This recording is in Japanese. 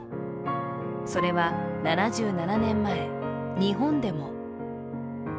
それは７７年前、日本でも。